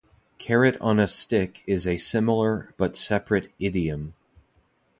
Carrot on a stick is a similar, but separate, idiom.